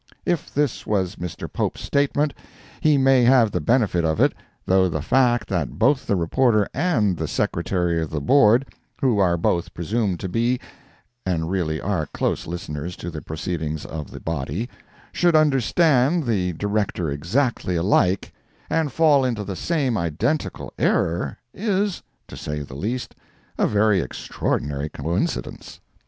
If this was Mr. Pope's statement, he may have the benefit of it, though the fact that both the reporter and the Secretary of the Board, who are both presumed to be, and really are close listeners to the proceedings of the body, should understand the Director exactly alike, and fall into the same identical error, is, to say the least, a very extraordinary coincidence.